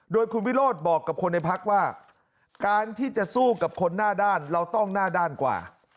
โดยคุณวิโรธบอกกับคนในพักว่าการที่จะสู้กับคนหน้าด้านเราต้องหน้าด้านกว่า